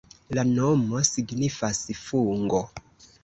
La nomo signifas: fungo.